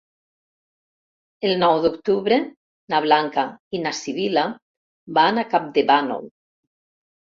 El nou d'octubre na Blanca i na Sibil·la van a Campdevànol.